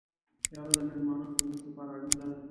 پیاله د میلمانه خدمت لپاره اړینه ده.